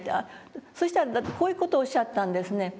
そしたらこういう事をおっしゃったんですね。